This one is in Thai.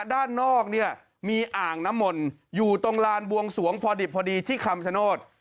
ด้านนอกเนี่ยมีอ่างน้ำมนต์อยู่ตรงลานบวงสวงพอดิบพอดีที่คำชโนธ